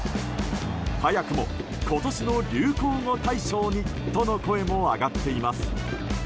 早くも今年の流行語大賞にとの声も上がっています。